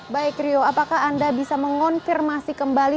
baik rio apakah anda bisa mengonfirmasi kembali